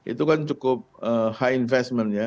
itu kan cukup high investment ya